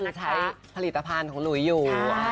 คือใช้ผลิตภัณฑ์ของหลุยอยู่